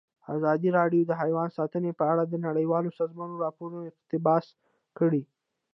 ازادي راډیو د حیوان ساتنه په اړه د نړیوالو سازمانونو راپورونه اقتباس کړي.